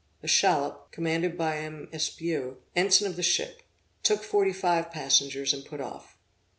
The shallop, commanded by M. Espiau, ensign of the ship, took forty five passengers, and put off.